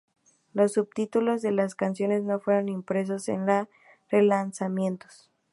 Los subtítulos de las canciones no fueron impresos en los relanzamientos.